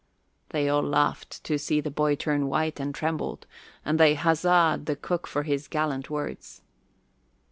They all laughed to see the boy turn white and tremble, and they huzzaed the cook for his gallant words.